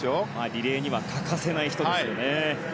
リレーには欠かせない人ですよね。